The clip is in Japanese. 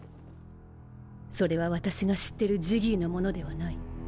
それは私が知ってるジギーのものではない。